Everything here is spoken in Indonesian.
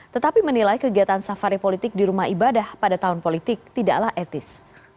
tetapi menilai kegiatan safari politik di rumah ibadah pada tahun politik tidaklah etis